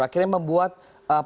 akhirnya membuat pemerintah